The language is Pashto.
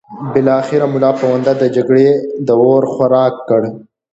بالاخره ملا پوونده د جګړې د اور خوراک کړ.